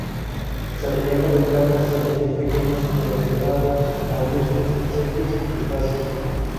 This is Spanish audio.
Se alimenta de plantas, semillas, pequeños invertebrados, moluscos, insectos y crustáceos.